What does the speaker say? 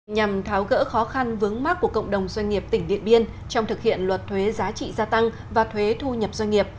nhằm tháo gỡ khó khăn vướng mắt của cộng đồng doanh nghiệp tỉnh điện biên trong thực hiện luật thuế giá trị gia tăng và thuế thu nhập doanh nghiệp